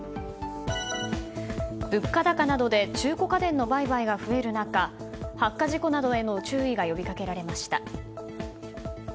物価高などで中古家電の売買が増える中発火事故などへの注意が呼びかけられました。